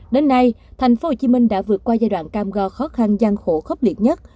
đến nay tp hcm đã vượt qua giai đoạn cam go khó khăn gian khổ khốc liệt nhất